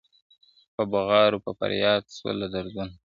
په بغارو په فریاد سول له دردونو ,